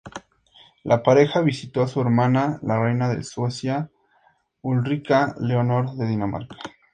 La pareja visitó a su hermana, la reina de Suecia Ulrica Leonor de Dinamarca.